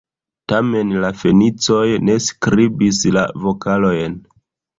Tamen la Fenicoj ne skribis la vokalojn.